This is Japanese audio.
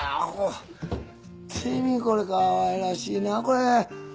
これかわいらしいなあこれ。